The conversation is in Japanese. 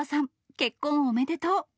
結婚おめでとう。